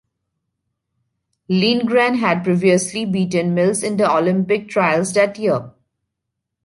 Lindgren had previously beaten Mills in the Olympic Trials that year.